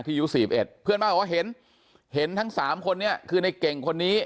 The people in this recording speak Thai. ที่อายุสี่สิบเอ็ดเพื่อนบ้านบอกว่าเห็นเห็นทั้งสามคนนี้คือนายเก่งคนนี้